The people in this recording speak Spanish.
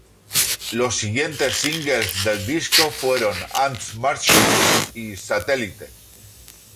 Los siguientes singles del disco fueron Ants Marching y Satellite.